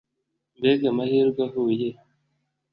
Mbega amahirwe ahuye